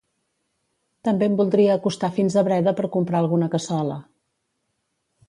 També em voldria acostar fins a Breda per comprar alguna cassola